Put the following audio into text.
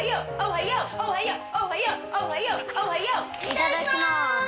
いただきます！